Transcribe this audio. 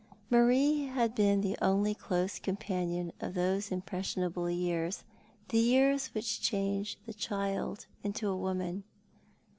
Marie had been the only close comi^anion of those impres sionable years — the years which change the child into a woman.